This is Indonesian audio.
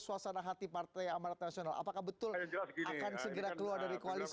suasana hati partai amarat nasional apakah betul akan segera keluar dari koalisi